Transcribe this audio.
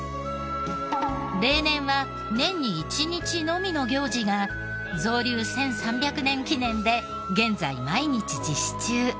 例年は年に１日のみの行事が造立１３００年記念で現在毎日実施中。